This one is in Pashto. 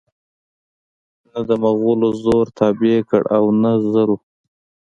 نه دمغلو زور تابع کړ او نه زرو